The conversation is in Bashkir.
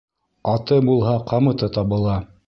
Аты булһа, ҡамыты табыла.